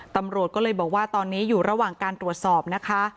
ตำรวจก็เลยบอกว่าตอนนี้อยู่ระหว่างการตรวจสอบนะคะ